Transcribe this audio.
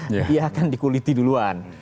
dia akan dikuliti duluan